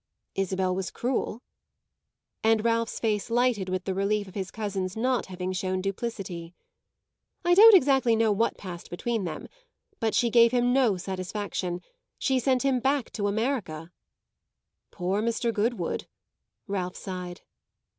"Isabel was cruel?" and Ralph's face lighted with the relief of his cousin's not having shown duplicity. "I don't exactly know what passed between them. But she gave him no satisfaction she sent him back to America." "Poor Mr. Goodwood!" Ralph sighed.